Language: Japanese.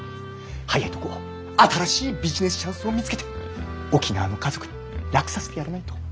早いとこ新しいビジネスチャンスを見つけて沖縄の家族に楽させてやらないと。